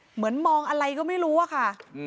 เหมือนมองอะไรก็ไม่รู้อะค่ะ